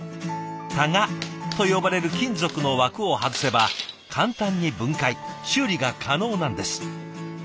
「たが」と呼ばれる金属の枠を外せば簡単に分解修理が可能なんです。